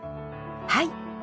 はい。